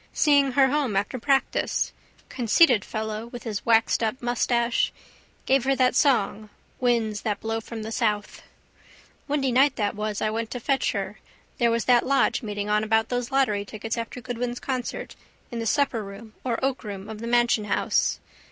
Seeing her home after practice. Conceited fellow with his waxedup moustache. Gave her that song Winds that blow from the south. Windy night that was I went to fetch her there was that lodge meeting on about those lottery tickets after Goodwin's concert in the supperroom or oakroom of the Mansion house.